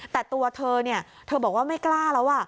แต่ตัวเธอเธอบอกว่าไม่กล้าแล้ว